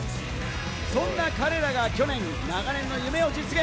そんな彼らが去年、長年の夢を実現。